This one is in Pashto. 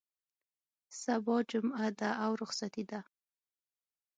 سبا جمعه ده او رخصتي ده.